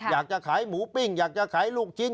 อยากจะขายหมูปิ้งอยากจะขายลูกชิ้น